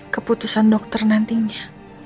keputusan dokter nantinya